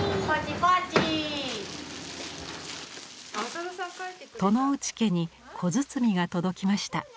外之内家に小包が届きました。